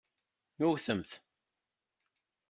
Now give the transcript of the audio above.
Wwtemt!